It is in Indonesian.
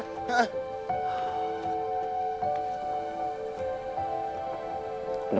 ada masalah apa sih lo semuanya